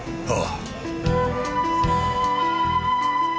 ああ。